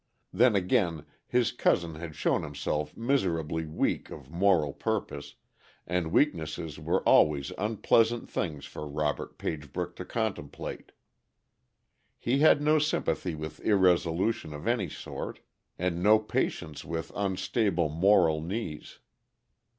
Then again his cousin had shown himself miserably weak of moral purpose, and weaknesses were always unpleasant things for Robert Pagebrook to contemplate. He had no sympathy with irresolution of any sort, and no patience with unstable moral knees.